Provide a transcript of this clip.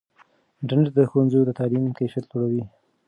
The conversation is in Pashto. انټرنیټ د ښوونځیو د تعلیم کیفیت لوړوي.